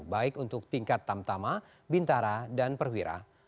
baik untuk tingkat tamtama bintara dan perwira